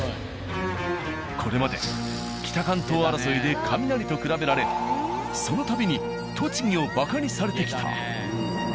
これまで北関東争いでカミナリと比べられその度に栃木をバカにされてきた。